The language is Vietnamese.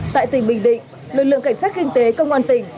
tại tỉnh bình định lực lượng cảnh sát kinh tế công an tỉnh